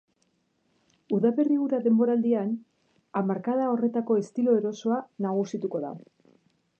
Udaberri-uda denboraldian hamarkada horretako estilo erosoa nagusituko da.